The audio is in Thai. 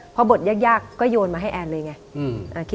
พอบทแยกก็โยนไปให้อันเลยไง